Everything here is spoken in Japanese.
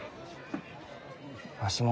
わしも。